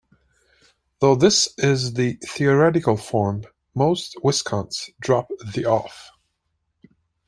Though this is the theoretical form, most Viscounts drop the "of".